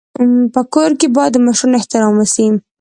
په کور کي باید د مشرانو احترام وسي.